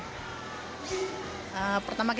pertama kita analis sama ini